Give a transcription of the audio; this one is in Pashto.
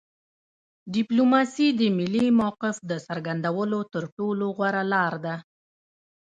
ډیپلوماسي د ملي موقف د څرګندولو تر ټولو غوره لار ده